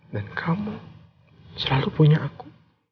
dan kamu selalu punya aku